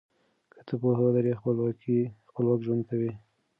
که ته پوهه ولرې خپلواک ژوند کوې.